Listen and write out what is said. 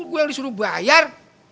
gua yang disuruh bayar